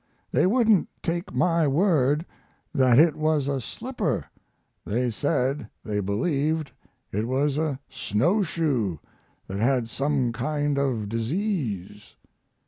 They wouldn't take my word that it was a slipper; they said they believed it was a snow shoe that had some kind of disease.